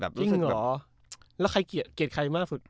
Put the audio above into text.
จริงหรอแล้วใครเกลียดใครมากสุด